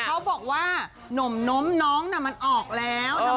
เขาบอกว่าหนมน้มน้องน่ะมันออกแล้ว